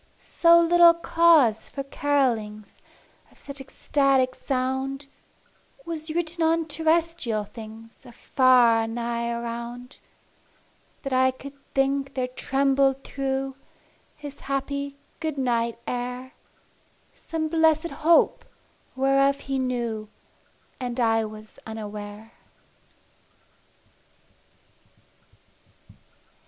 So little cause for carolings Of such ecstatic sound Was written on terrestrial things Afar or nigh around, That I could think there trembled through His happy good night air Some blessed Hope, whereof he knew, And I was unaware.